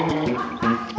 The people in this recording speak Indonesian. ada yang kalian gak tau